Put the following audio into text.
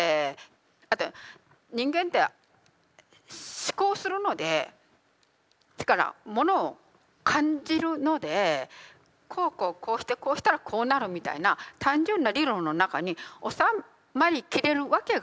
だって人間って思考するのでものを感じるのでこうこうこうしてこうしたらこうなるみたいな単純な理論の中に収まりきれるわけが全然ないんですよ。